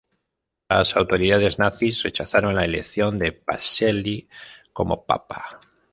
Las autoridades nazis rechazaron la elección de Pacelli como papa.